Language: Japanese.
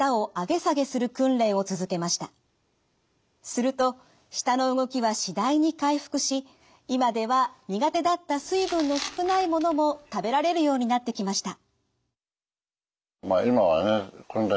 すると舌の動きは次第に回復し今では苦手だった水分の少ないものも食べられるようになってきました。